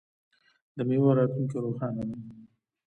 د میوو راتلونکی روښانه دی.